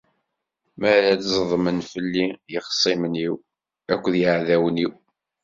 Mi ara d-ẓedmen fell-i yexṣimen-iw akked yiεdawen-iw.